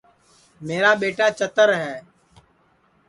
میرا ٻیٹا چتر ہے